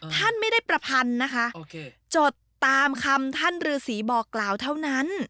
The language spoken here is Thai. ท่านไม่ได้ประพันธ์นะคะจดตามคำท่านฤษีบอกกล่าวเท่านั้น